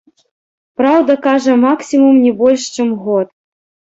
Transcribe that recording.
Праўда, кажа, максімум не больш чым год.